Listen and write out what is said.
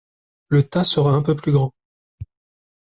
Le tas sera un peu plus grand.